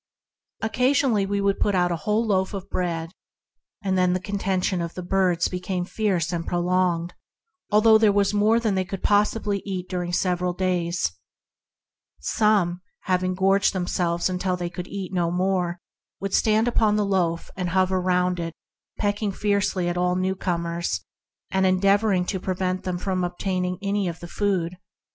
Occasionally we 18 ENTERING THE KINGDOM have put out a loaf of bread, whereupon the contention of the birds became fierce and prolonged, although there was more than all could possibly eat during several days. Some, having gorged them selves until they could eat no more, would stand upon the loaf and hover round it, pecking fiercely at all newcomers, and endeavoring to prevent them from obtain ing any of the food.